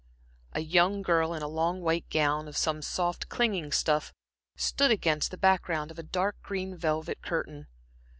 A young girl in a long, white gown of some soft, clinging stuff, stood against the background of a dark green velvet curtain.